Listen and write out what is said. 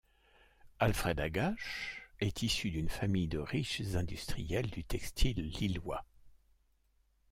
Alfred Agache est issu d'une famille de riches industriels du textile lillois.